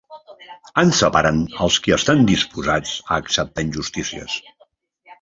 Ens separen els qui estan disposats a acceptar injustícies.